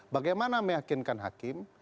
bagaimana meyakinkan hakim